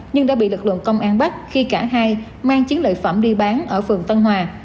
nhưng đã bị lực lượng công an bắt khi cả hai mang chiến lợi phẩm đi bán ở phường tân hòa